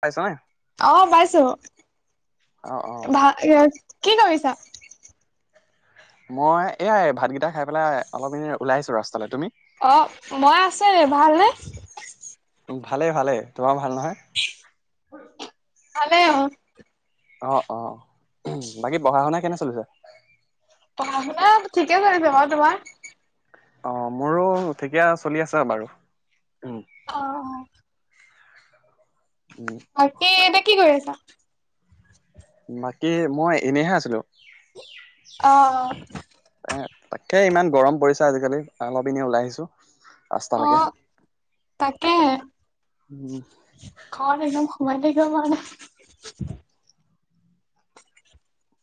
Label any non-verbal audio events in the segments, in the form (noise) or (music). পাইছানে? অহ, পাইছোঁ। অ', অ', ভা কি কৰিছা? মই এয়াই ভাতকেইটা খাই পেলাই অলপ এনেই ওলাই আহিছো ৰাস্তালৈ। তুমি? অহ, মই আছে। ভালনে? ভালেই-ভালেই। তোমাৰো ভাল নহয়? ভালে অহ। অহ', অহ'। বাকী পঢ়া শুনা কেনে চলিছে? পঢ়া শুনা ঠিকে কৰিছে বাৰু। তোমাৰ? অহ, মোৰো ঠিকে চলি আছে বাৰু। উম, অহ', অহ'। উম। বাকী এতে কি কৰি আছা? বাকী মই এনেইহে আছিলোঁ। অহ', অহ'। এ তাকে ইমান গৰম পৰিছে আজিকালি, অলপ এনেই ওলাই আহিছোঁ। অহ, তাকেহে। উম, খন একদম সোমাই থাকিব পাৰা নাই।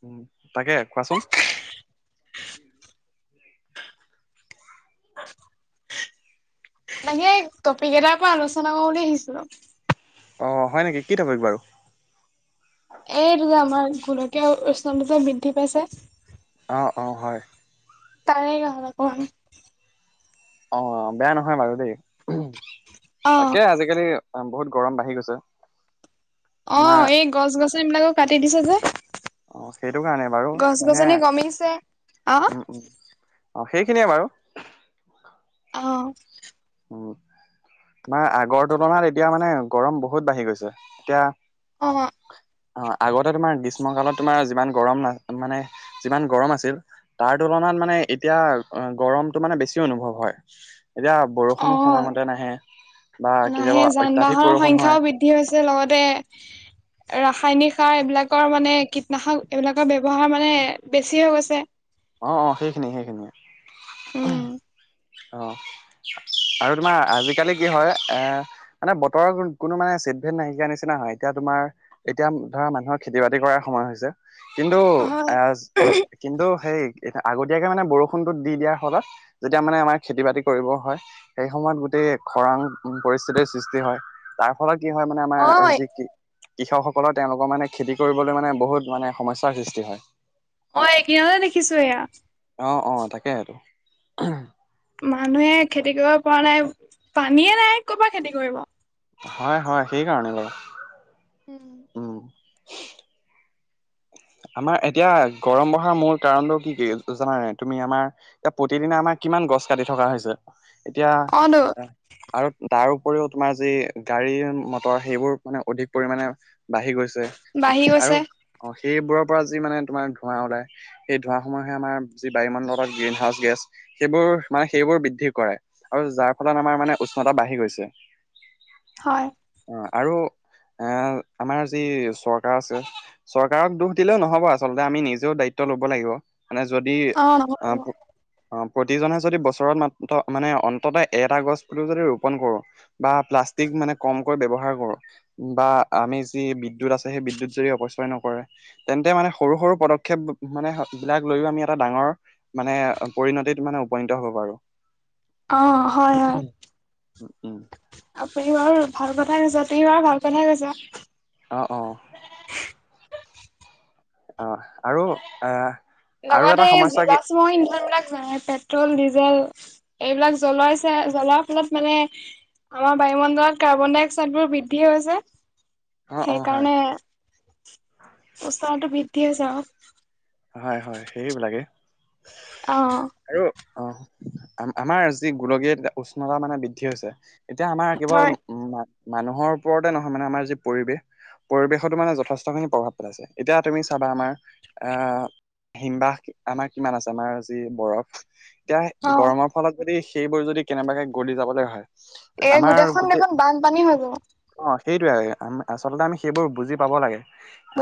উম, তাকে কোৱাচোন? মানে টপিক এটাৰ ওপৰত আলোচনা কৰোঁ বুলি আহিছিলোঁ। অহ, হয় নেকি, কি টপিক বাৰু? এইটো যে আমাৰ গোলকীয়া উষ্ণতাটো যে বিদ্ধি পাইছে। অহ', অহ' হয়। তাৰে (unintelligible) অক অহ, বেয়া নহয় বাৰু দেই। অ তাকে আজিকালি বহুত গৰম বাঢ়ি গৈছে। অহ, তোমাৰ এই গছ-গছনিবিলাকো কাটি দিছে যে। অ', সেইটো কাৰণে বাৰু মানে গছ-গছনি কমিছে অহ অহ, সেইখিনিয়ে বাৰু। অহ। উম, তোমাৰ আগৰ তুলনাত এতিয়া মানে গৰম বহুত বাঢ়ি গৈছে। এতিয়া অহ। অহ, আগতে তোমাৰ গ্ৰীষ্মকালত তোমাৰ যিমান গৰম না, মানে যিমান গৰম আছিল। তাৰ তুলনাত মানে এতিয়া, গৰমটো মানে বেছি অনুভৱ হয়। এতিয়া অ বৰষুণো অ সময়মতে নাহে বা কেতিয়াবা অত্যাধিক বৰষুণ হয়। বিদ্ধি হৈছে লগতে ৰাসায়নিক সাৰ এইবিলাকৰ মানে কি কিতনাশক এইবিলাকৰ ব্যৱহাৰ মানে বেছি হৈ গৈছে। অহ', অহ' সেইখিনিয়ে, সেইখিনিয়ে উম', অহ'। আৰু তোমাৰ আজিকালি কি হয় এ মানে বতৰৰ কোনো মানে চেটভেদ নাইকিয়া নিচিনা হয়। এতিয়া তোমাৰ এতিয়া ধৰা মানুহৰ খেতি-বাতি কৰাৰ সময় হৈছে। কিন্তু হয় অহ, কিন্তু সেই আগতীয়াকে মানে বৰষুণতটো দি দিয়াৰ ফলত, যেতিয়া মানে আমাৰ খেতি-বাতি কৰিব হয়। সেই সময়ত গোটেই খৰাং পৰিস্থিতিৰ সৃষ্টি হয়, তাৰ ফলত কি হয় মানে অ আমাৰ যি কি কৃষকসকলৰ তেওঁলোকৰ মানে খেতি কৰিবলৈ মানে বহুত মানে সমস্যাৰ সৃষ্টি হয়। মই এইকিদিনটেই দেখিছোঁ এয়া। অহ', অহ' তাকেহে টো। মানুহে খেতি কৰিব পৰা নাই, পানীয়ে নাই কৰ পৰা খেতি কৰিব। হয়, হয়, সেই কাৰণে বাৰু। উম। আমাৰ এতিয়া গৰম বঢ়াৰ মূল কাৰণটো কি কি জানানে নাই? তুমি আমাৰ এতিয়া প্ৰতিদিনে আমাৰ কিমান গছ কাটি থকা হৈছে। এতিয়া অ নো আৰু তাৰ উপৰিও, তোমাৰ যি গাড়ী মটৰ সেইবোৰ মানে অধিক পৰিমাণে, বাঢ়ি গৈছে। বাঢ়ি আৰু গৈছে। অ সেইবোৰৰ পৰা যি মানে তোমাৰ ধোঁৱা ওলায়, সেই ধোঁৱা সমূহে আমাৰ যি বায়ুমণ্ডলত গ্ৰীণ হাউচ গেছ- সেইবোৰ মানে, সেইবোৰ বৃদ্ধি কৰে আৰু যাৰ ফলত আমাৰ মানে উষ্ণতা বাঢ়ি গৈছে। (inaudible) হয়। অ'আৰু এ আমাৰ যি চৰকাৰ আছে চৰকাৰ চৰকাৰক দোখ দিলেও নহ'ব, আচলতে আমি নিজেও দায়িত্ব ল'ব লাগিব মানে যদি অ নহব আহ- অ', প্ৰতিজনে যদি বছৰত মাত্ৰ মানে অন্ততঃ এটা গছো যদি ৰোপন কৰোঁ। বা প্লাষ্টিক মানে কমকৈ ব্যৱহাৰ কৰোঁ। বা আমি যি বিদ্যুৎ আছে, সেই বিদ্যুৎ যদি অপচয় নকৰে। তেন্তে মানে সৰু সৰু পদক্ষেপ মানে, বিলাক লৈও আমি এটা ডাঙৰ মানে পৰিণতিত মানে উপনীত হ'ব বাৰু। অ' হয় হয়। উম আপুনি বাৰু ভাল কথাই কৈছাঁ। তুমি বাৰু ভাল কথাই কৈছাঁ। অ', অ', অ', আৰু এ লগতে জিবাষ্ম ইন্ধন বিলাক জানাই পেট্ৰল, ডিজেল। এইবিলাক জ্বলাইছে, জ্বলোৱাৰ ফলত মানে, আমাৰ বায়ুমণ্ডলত কাৰ্বন ডাই অক্সাইডবোৰ বৃদ্ধি হৈছে। অ অ হয় সেইকাৰণে, উষ্ণতাটো বৃদ্ধি হৈছে আৰু। হয়, হয়। সেইবিলাকে অ', অ', আৰু অ', আমাৰ যি গোলকীয় উষ্ণতা মানে বৃদ্ধি হৈছে। এতিয়া আমাৰ হয় কেৱল উম্, মানুহৰ ওপৰতে নহয় মানে আমাৰ যি পৰিৱেশ। পৰিৱেশতো মানে যথেষ্টখিনি প্ৰভাৱ পেলাইছে, এতিয়া তুমি চাবা আমাৰ আহ্ হিমবাহ আমাৰ কিমান আছে, আমাৰ যি বৰফ। এতিয়া অ', গৰমৰ ফলত যদি, সেইবোৰ যদি কেনেবাকৈ গলি যাবলৈ হয়। এ, আমাৰ গোটেইখন গোটেই দেখোন বানপানী হৈ যাব। অ', সেইটোয়ে। আমি আচলতে আমি সেইবোৰ বুজি পাব লাগে।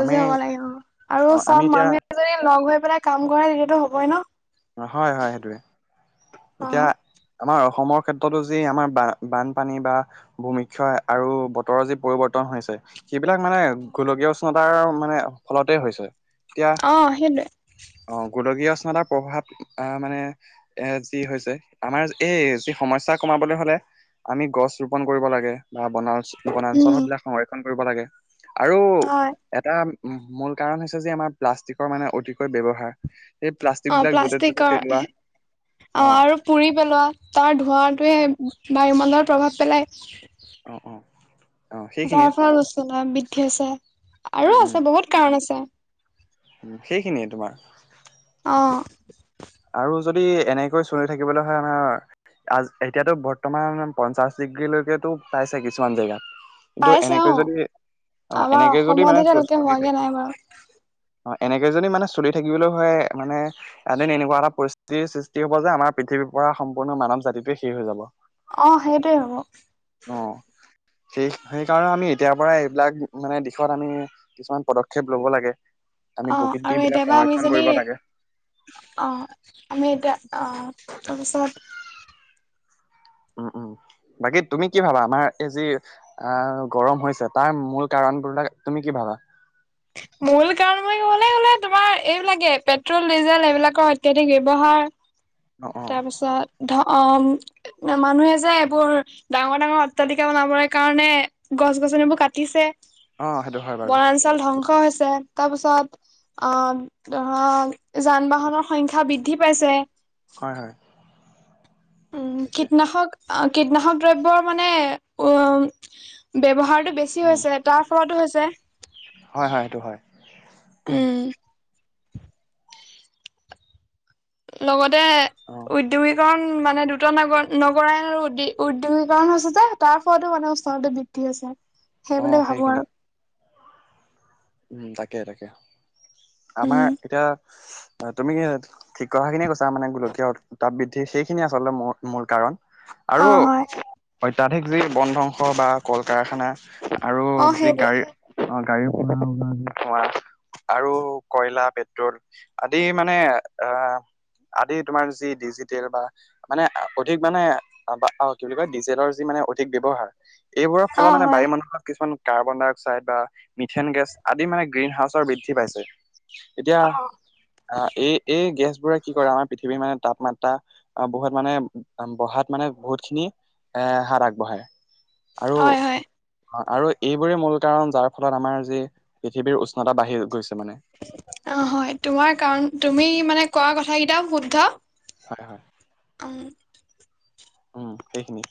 আমি পাব লাগে অ আৰু আমি চব এতিয়া মানুহে যদি লগ হৈ পেলাই কাম কৰে, তেতিয়াতো হ'বই ন। হয়, হয়। সেইটোৱে। এতিয়া অ'। আমাৰ অসমৰ ক্ষেত্ৰতো যি আমাৰ বানপানী বা ভূমিখয় আৰু বতৰ যি পৰিৱৰ্তন হৈছে। সেইবিলাক মানে গোলকীয়া উষ্ণতাৰ মানে ফলতে হৈছে। এতিয়া অ', সেইটোৱে। অ', গোলকীয় উষ্ণতাৰ প্ৰভাৱ। আহ্ মানে এ কি হৈছে, আমাৰ এই যি সমস্যা কমাবলৈ হ'লে, আমি গছ ৰোপন কৰিব লাগে। বা বনান বনাঞ্চল উম, বিলাক সংৰক্ষণ কৰিব লাগে। আৰু হয়। এটা মূল কাৰণ হৈছে যে আমাৰ প্লাষ্টিকৰ মানে অতিকৈ ব্যৱহাৰ। এই প্লাষ্টিক অ', বিলাক য'তে-ত'তে প্লাষ্টিকৰ পেলোৱা। অ', আৰু পুৰি পেলোৱা। তাৰ ধোঁৱাটোৱে বায়ুমণ্ডলত প্ৰভাৱ পেলাই। অ', অ', অ সেইখিনিয়ে যাৰ ফলত উষ্ণতা বৃদ্ধি হৈছে আৰু আছে বহুত কাৰণ আছে। উম্, সেইখিনিয়ে তোমাৰ অ', আৰু যদি এনেকৈ চলি থাকিবলৈ হয়, আমাৰ অ', এতিয়াতো বৰ্তমান পঞ্চাশ ডিগ্ৰীলৈকো পাইছে কিছুমান জেগাত। কিন্তু পাইছে এনেকে অ যদি অ', আমাৰ এনেকে যদি মানে অসমতহে তেওঁলোকে দি হোৱাগে থাকে নাই বাৰু অ', এনেকে যদি মানে চলি থাকিবলৈও হয় মানে, এনে এটা পৰিস্থিতিৰ সৃষ্টি হব যে, আমাৰ পৃথিৱীৰ পৰা সম্পূৰ্ণ মানৱ জাতিটোৱে শেষ হৈ যাব। অ', সেইটোৱে হ'ব। অ', সেই সেইকাৰণে আমি এতিয়াৰ পৰা এইবিলাক মানে দিশত আমি কিছুমান পদক্ষেপ লব লাগে, আমি অ আৰু প্ৰকৃতি বিলাক এতিয়াবা আমি সংৰক্ষণ যদি কৰিব লাগে। অ', আমি এতিয়া অ', তাৰপিছত উম, উম বাকী তুমি কি ভাবা আমাৰ এই যি অ', গৰম হৈছে তাৰ মূল কাৰণবলাক তুমি কি ভাবা। মূল কাৰণ বুলি ক'বলে হলে তোমাৰ এইবিলাকে পেট্ৰল ডিজেল এইবিলাকৰ অত্যাধিক ব্যৱহাৰ। অ অ তাৰপিছত ধ মানুহে যে এইবোৰ ডাঙৰ, ডাঙৰ অট্টালিকা বনাবৰ কাৰণে গছ গছনিবোৰ কাটিছে। অ সেইটো হয় বাৰু বনাঞ্চল ধ্বংস হৈছে। তাৰপিছত অ', ধৰা যান বাহনৰ সংখ্যা বৃদ্ধি পাইছে। হয়, হয়। উম, তাকে কীটনাশক কীটনাশক দ্ৰব্যৰ মানে উম, ব্যৱহাৰতটো বেছি উম হৈছে তাৰ ফলতো হৈছে। হয়, হয় সেইটো হয়। উম লগতে অ উদ্যোগিক কাৰণ মানে দুটা ন নগৰায়ণ আৰু উ উদ্যোগীকৰণ হৈছে যে তাৰ ফলতো মানে উচ্চনতা বৃদ্ধি হৈছে। (inaudible) সেইবুলি ভাবো সেইখিনি আৰু। উম, তাকে তাকে আমাৰ উম এতিয়া তুমি কি থিক কথাখিনিয়ে কৈছা মানে গোলকীয় উত্তাপ বৃদ্ধি সেইখিনিয়ে আচলতে ম মূল কাৰণ। অ আৰু হয় অত্যাধিক যি বন ধ্বংস বা কল কাৰখানা আৰু অ যি সেইটোৱে গাড়ী অ', গাড়ীৰ খোৱা আৰু কয়লা পেট্ৰল আদি মানে আহ আদি তোমাৰ যি ডিজিটেল বা মানে অধিক মানে কি বুলি কয় ডিজেলৰ যি মানে অধিক ব্যয়ৱহাৰ এইবোৰৰ অ ফলত মানে হয় বায়ু মণ্ডলত কিছুমান কাৰ্বন ডাই অক্সাইড বা মিথেন গেছ আদি মানে গ্ৰীণ হাউচৰ বৃদ্ধি পাইছে এতিয়া আহ এই এই গেছ বোৰে কি কৰে আমাৰ পৃথিৱীৰ মানে তাপমাত্ৰা বহুত মানে বহাত মানে বহুত খিনি এ হাত আগবঢ়ায় আৰু হয় হয় আৰু এইবোৰেই মূল কাৰণ যাৰ ফলত আমাৰ যি পৃথিৱীৰ উষ্ণতা বাঢ়ি গৈছে মানে। অ', হয় তোমাৰ কাৰণ তুমি মানে কোৱা কথা কেইটা শুদ্ধ। হয়, হয়। অহ। উম, সেইখিনি।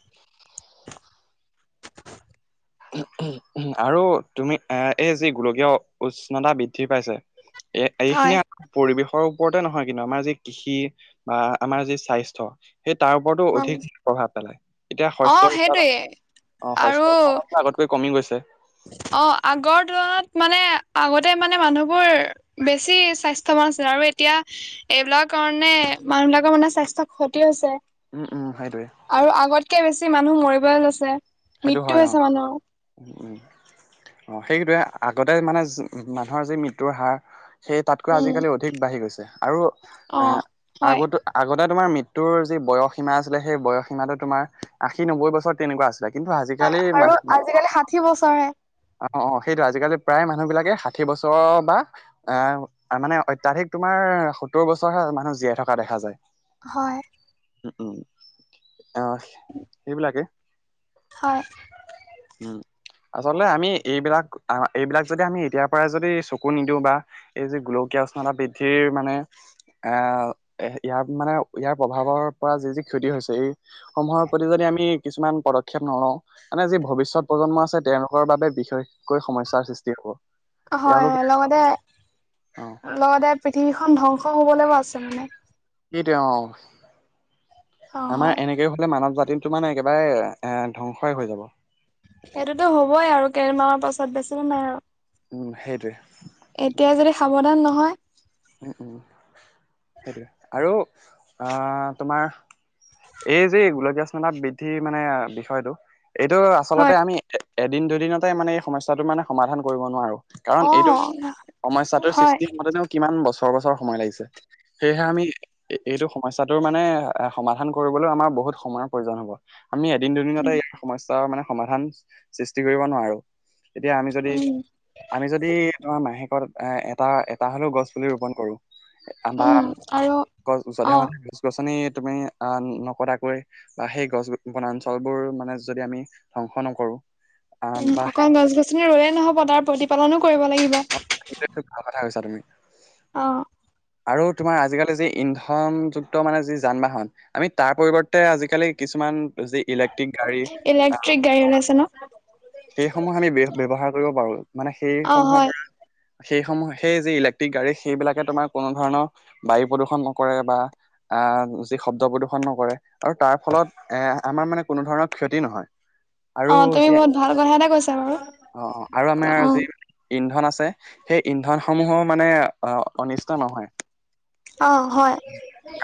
আৰু তুমি এ এই যি গোলকীয় উষ্ণতা বৃদ্ধি পাইছে এক হয়। এইখিনিয়ে পৰিৱেশৰ ওপৰতে নহয় কিন্তু আমাৰ যি কৃষি বা আমাৰ যি স্বাস্থ্য সেই তাৰ ওপৰতো উম, অধিক প্ৰভাৱ পেলায় এতিয়া অ' শস্যৰ উৎপাদন সেইটোৱে অ', আৰু শস্য উৎপাদনটো আগতকৈ কমি গৈছে। অ', আগৰ তুলনাত মানে আগতে মানে মানুহবোৰ বেছি স্বাস্থ্যৱান আছিল আৰু এতিয়া এইবিলাক কাৰণে মানুহ বিলাকৰ মানে স্বাস্থ্য ক্ষতি হৈছে। উম, উম, সেইটোৱে। আৰু আগতকে বেছি মানুহ মৰিবলে লৈছে। সেইটো মৃত্যু হয় অ'। হৈছে মানুহৰ উম, অ' সেইটোৱে আগতে মানে মানুহৰ যি মৃত্যুৰ হাৰ সেই তাতকৈ উম আজিকালি অধিক বাঢ়ি গৈছে আৰু আ, অ' হয়। আগতে আগতে তোমাৰ মৃত্যুৰ যি বয়স সীমা আছিলে সেই বয়স সীমা তোমাৰ আশী নব্বৈ বছৰত তেনেকুৱা আছিলে। কিন্তু হয় আজিকালি আৰু মাহ মা আজিকালি ষাঠি বছৰহে অ', অ' সেইটো আজিকালি প্ৰায় মানুহবিলাকে ষাঠি বছৰৰ বা আ, মানে অত্যাধিক তোমাৰ সত্তৰ বছৰ মানুহ জীয়াই থকা দেখা যায়। হয়। উম, উম, আ, সেইবিলাকে। হয়। উম, আচলতে আমি এইবিলাক এইবিলাক যদি আমি এতিয়াৰপৰাই যদি চকু নিদিওঁ বা এই যে গোলকীয় উষ্ণতা বৃদ্ধিৰ মানে এ, ইয়াৰ মানে ইয়াৰ প্ৰভাৱৰ পৰা যি যি ক্ষতি হৈছে এই সমূহৰ প্ৰতি যদি আমি কিছুমান প্ৰদ ক্ষেপ নলও মানে যি ভৱিষ্যত প্ৰজন্ম আছে তেওঁলোকৰ বাবে বিশেষকৈ সমস্যয়াৰ সৃষ্টি হ'ব। হয় তেওঁলোকে হয়, লগতে অ', লগতে পৃথিৱীখন ধ্বংস হ'বলৈ আছে মানে। সেইটোৱে অ' অ' হয় তাৰমানে এনেকে মানৱ জাতিৰটো মানে একেবাৰে এ, ধ্বংসই হৈ যাব। এইটোতো হ'বই আৰু কেইদি মানৰ পাছত বেছি দিন নাই আৰু। উম, সেইটোৱে। এতিয়া যদি সাৱধান নহয় উম, উম, সেইটোৱে আৰু আ, তোমাৰ এই যে গোলকীয় উষ্ণতা বৃদ্ধিৰ মানে বিষয়টো এইটো আচলতে আমি এদিন দুদিনতে মানে এই সমস্যাটো মানে সমাধান কৰিব নোৱাৰো। কাৰণ অ', এইটো সমস্যাটোৰ হয়। সৃষ্টি হওঁতে নেও কিমান বছৰ বছৰ সময় লাগিছে সেয়েহে আমি এইটো সমস্যাটোৰ মানে এ, সমাধান কৰিবলৈও আমাৰ বহুত সময়ৰ প্ৰয়োজন হ'ব। আমি এদিন দুদিনতে সমস্যাৰ মানে সমাধান সৃষ্টি কৰিব নোৱাৰো। এতিয়া আমি যদি উম, আমি যদি তোমাৰ মাহেকত এটা এটা হ'লেও গছ পুলি ৰোপন কৰোঁ বা উম, আৰু গছ যধে অ', মধে গছ গছনি তুমি আ, নকটাকৈ বা সেই গছ বনাঞ্চলবোৰ মানে যদি আমি ধ্বংস নকৰো আহ উম, বা অকল গছ গছনি ৰোঁয়ে নহ'ব তাৰ প্ৰতিপালনো কৰিব লাগিব। অ' এইটো এটা ভাল কথা কৈছা তুমি। অ'। আৰু তোমাৰ আজিকালি যি ইন্ধনযুক্ত মানে যি যান বাহন আমি তাৰ পৰিৱৰ্তে আজিকালি কিছুমান যি ইলেক্ট্ৰিক গাড়ী ইলেক্ট্ৰিক গাড়ী ওলাইছে ন'? সেইসমূহ আমি বে-ব্যৱহাৰ কৰিব পাৰো মানে অ', সেইসমূহৰ হয় পৰা সেইসমূহ সেই যি ইলেক্ট্ৰিক গাড়ী সেইবিলাকে তোমাৰ কোনো ধৰণৰ বায়ু প্ৰদূষন নকৰে বা আ, যি শব্দ প্ৰদূষন নকৰে আৰু তাৰ ফলত এ, আমাৰ মানে কোনো ধৰণৰ ক্ষতি নহয়। আৰু অ' তুমি যি বহুত ভাল কথা এটা কৈছা বাৰু। অ', অ' আৰু আমাৰ আজি অ', ইন্ধন আছে সেই ইন্ধনসমূহো মানে আ, অনিষ্ট নহয়। অ', হয়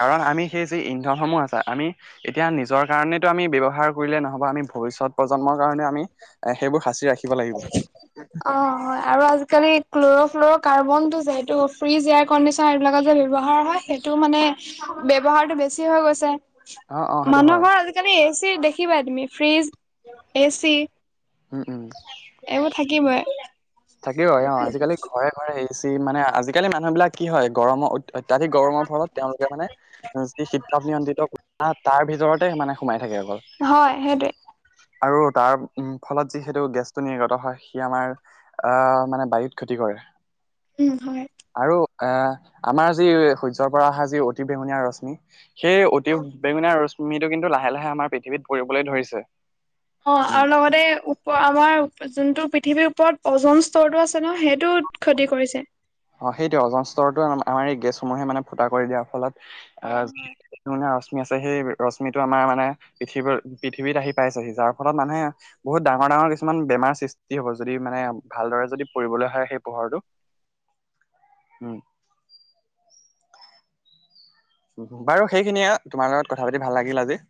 কাৰণ আমি সেই যি ইন্ধনসমূহ আছে আমি এতিয়া নিজৰ কাৰণেতো আমি ব্যয়ৱহাৰ কৰিলে নহ'ব, আমি ভৱিষ্যত প্ৰজন্মৰ কাৰণেও আমি সেইবোৰ সাঁচি ৰাখিব লাগিব। অ', হয় আৰু আজিকালি ক্ল'ৰ' ফ্ল'ৰ' কাৰ্বনটো যে হেইটো ফ্ৰিজ এয়াৰ কণ্ডিচনাৰ এইবিলাকত যে ব্যবহাৰ হয় সেই টো মানে ব্যৱহাৰটো বেছি হৈ গৈছে। অ অ সেইটো হয় মানুহৰ আজিকালি এ চি দেখিবাই তুমি ফ্ৰিজ, এচি। উম, উম। এওঁ থাকিৱই থাকিবই অ', আজিকালি ঘৰে ঘৰে এ চি মানে আজিকালি মানুহ বিলাক কি হয় গৰমৰ অত্যাধিক গৰমৰ ফলত তেওঁলোকে মানে যি শীততাপ নিয়ন্ত্ৰিত কোঠাত তাৰ ভিতৰতে মানে সোমাই থাকে অকল। হয় সেইটোৱে। আৰু তাৰ ফলত যি সেইটো গেছটো নিৰ্গত হয় সি আমাৰ আহ মানে বাৰিত খতি কৰে। উম হয়। আৰু আহ আমাৰ যি সূৰ্যৰ পৰা অহা যি অতি বেঙুনীয়া ৰশ্মি সেই অতি বেঙুনীয়া ৰশ্মিটো কিন্তু লাহে লাহে আমাৰ পৃথিৱীত পৰিবলৈ ধৰিছে। অ', উম আৰু লগতে আমাৰ যোনটো পৃথিৱীৰ ওপৰত ওজন স্তৰটো আছে ন সেইটো ক্ষতি কৰিছে। অ', সেইটোয়ে ওজন স্তৰটো আমাৰ এই গেছসমূহে মানে ফুটা কৰি দিয়াৰ ফলত অ হয় আহ ঙুনীয়া ৰশ্মি আছে, সেই ৰশ্মিটো আমাৰ মানে পৃথিৱীত পৃথিৱীত আহি পাইছেহি। যাৰ ফলত মানুহে বহুত ডাঙৰ ডাঙৰ কিছুমান বেমাৰ সৃষ্টি হ'ব, যদি মানে ভালদৰে যদি পৰিবলৈ হয় সেই পোহৰটো উম। বাৰু সেইখিনিয়ে তোমাৰ লগত কথা পাতি ভাল লাগিল আজি।